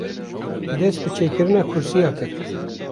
dest bi çêkirina kursîya kir